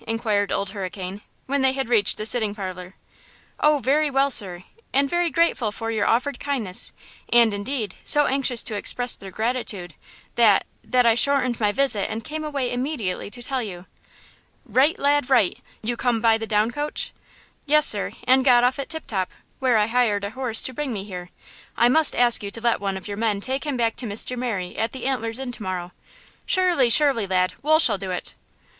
inquired Old Hurricane, when they had reached the sitting parlor. "Oh, very well, sir! and very grateful for your offered kindness; and, indeed, so anxious to express their gratitude–that–that I shortened my visit and came away immediately to tell you." "Right, lad, right! You come by the down coach?" "Yes, sir, and got off at Tip Top, where I hired a horse to bring me here. I must ask you to let one of your men take him back to Mr. Merry at the Antler's Inn to morrow." "Surely, surely, lad! Wool shall do it!"